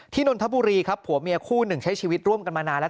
นนทบุรีครับผัวเมียคู่หนึ่งใช้ชีวิตร่วมกันมานานแล้ว